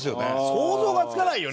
想像がつかないよね。